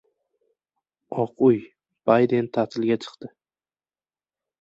Oq uy: Bayden ta’tilga chiqdi